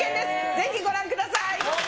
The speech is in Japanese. ぜひご覧ください。